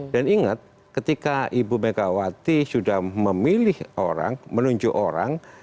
dan ingat ketika ibu megawati sudah memilih orang menunjuk orang